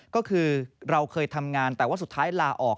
ก็คือเราเคยทำงานแต่ว่าสุดท้ายลาออก